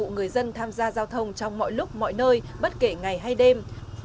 người dân tham gia giao thông trong mọi lúc mọi nơi bất kể ngày hay đêm